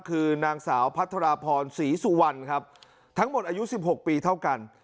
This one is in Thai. คือนางสาวพัทรพรศรีสุวรรณครับทั้งหมดอายุสิบหกปีเท่ากัน